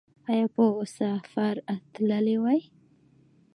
ایا په سفر تللي وئ؟